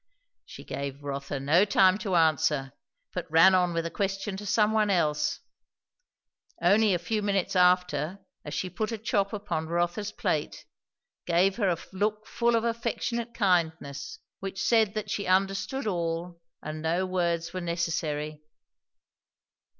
She gave Rotha no time to answer, but ran on with a question to some one else; only a few minutes after, as she put a chop upon Rotha's plate, gave her a look full of affectionate kindness which said that she understood all and no words were necessary.